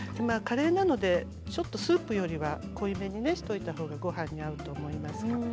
カレーなのでちょっとスープより濃いめにしておいたほうがごはんに合うと思います。